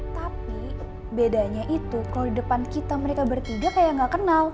tapi bedanya itu kalau di depan kita mereka bertiga kayak gak kenal